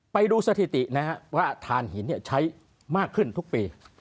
ไปดูสถิตินะครับว่าฐานหินใช้มากขึ้นทุกปี